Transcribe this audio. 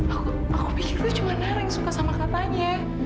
aku aku pikir lu cuma nara yang suka sama katanya